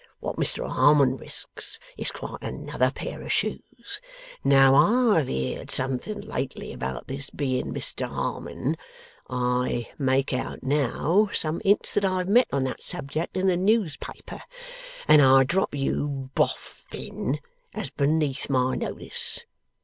What Mr Harmon risks, is quite another pair of shoes. Now, I've heerd something lately about this being Mr Harmon I make out now, some hints that I've met on that subject in the newspaper and I drop you, Bof fin, as beneath my notice.